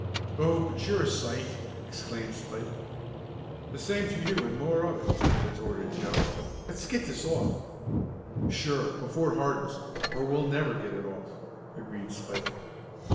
"Oh, but you are a sight!" exclaimed Spike. "The same to you and more of it," retorted Joe. "Let's get this off." "Sure, before it hardens, or we'll never get it off," agreed Spike.